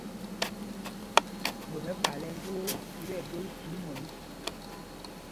Ɗom ɛkpay lɛ ɛjwoo lí tí ɛdol thund mɔní.